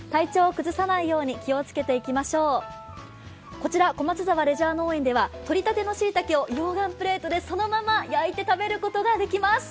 こちら小松沢レジャー農園ではとりたてのしいたけを溶岩プレートでそのまま焼いて食べることができます。